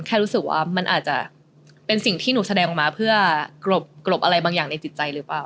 แค่รู้สึกว่ามันอาจจะเป็นสิ่งที่หนูแสดงออกมาเพื่อกรบอะไรบางอย่างในจิตใจหรือเปล่า